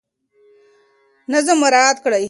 نظم مراعات کړئ.